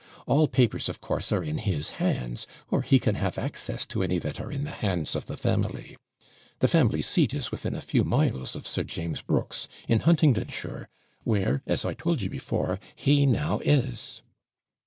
All papers, of course, are in his hands; or he can have access to any that are in the hands of the family. The family seat is within a few miles of Sir James Brooke's, in Huntingdonshire, where, as I told you before, he now is.'